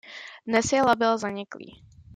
Dnes je label zaniklý.